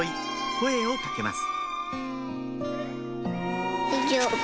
声を掛けます